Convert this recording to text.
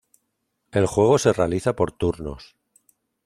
El juego se realiza por turnos.